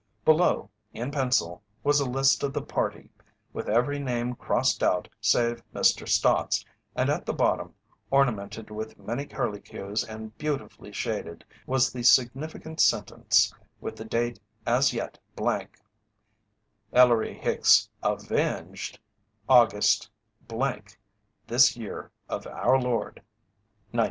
Below, in pencil, was a list of the party with every name crossed out save Mr. Stott's, and at the bottom, ornamented with many curlicues and beautifully shaded, was the significant sentence, with the date as yet blank: Ellery Hicks AVENGED, August this year of our Lord, 1920.